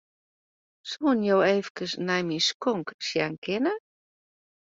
Soenen jo efkes nei myn skonk sjen kinne?